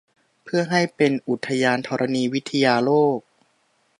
เพื่อให้เป็นอุทยานธรณีวิทยาโลก